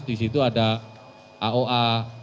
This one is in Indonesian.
disitu ada aoa